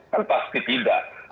kan pasti tidak